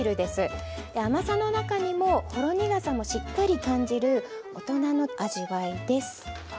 甘さの中にもほろ苦さもしっかり感じる大人の味わいです。